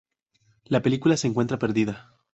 La película se encuentra perdida.